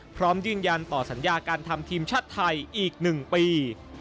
พร้อมยืนยันต่อสัญญาการทำทีมชาติไทยอีก๑ปี